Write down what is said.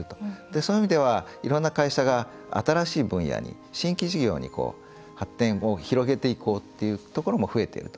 そういう意味ではいろんな会社が新しい分野に新規事業に発展を広げていこうというところも増えていると。